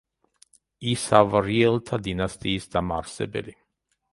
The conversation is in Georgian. ისავრიელთა დინასტიის დამაარსებელი.